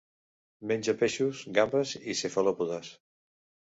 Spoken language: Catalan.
Menja peixos, gambes i cefalòpodes.